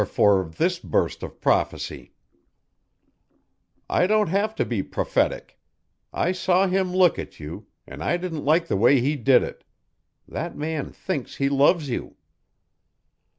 "Wherefore this burst of prophecy?" "I don't have to be prophetic. I saw him look at you and I didn't like the way he did it. That man thinks he loves you."